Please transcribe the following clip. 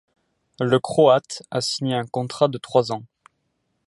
Le Croate a signé un contrat de trois ans.